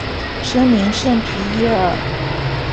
森林圣皮耶尔。